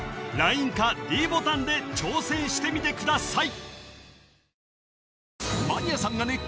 ＬＩＮＥかｄボタンで挑戦してみてください